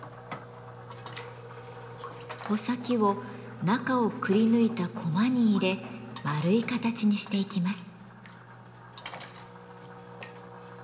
穂先を中をくりぬいたコマに入れ丸い形にしていきます。